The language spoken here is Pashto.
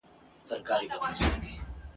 مدرسې خلاصي پوهنتون بند دی !.